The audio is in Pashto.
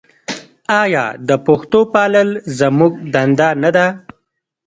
آیا د پښتو پالل زموږ دنده نه ده؟